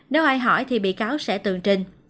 nếu ai hỏi thì bị cáo sẽ tường trình